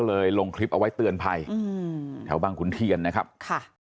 ลงคลิปเอาไว้เตือนภัยอืมแถวบางขุนเทียนนะครับค่ะ